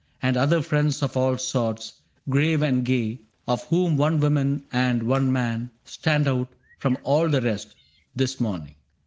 And other friends of all sorts, grave and gay. Of whom one woman and one man stand out From all the rest, this morning.